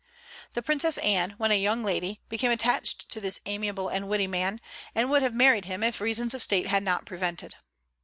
The Princess Anne, when a young lady, became attached to this amiable and witty man, and would have married him if reasons of State had not prevented.